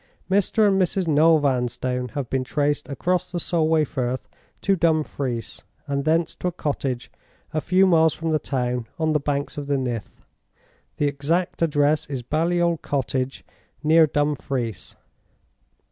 "Mr. and Mrs. Noel Vanstone have been traced across the Solway Firth to Dumfries, and thence to a cottage a few miles from the town, on the banks of the Nith. The exact address is Baliol Cottage, near Dumfries.